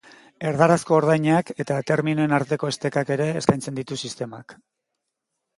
Erdarazko ordainak eta terminoen arteko estekak ere eskaintzen ditu sistemak.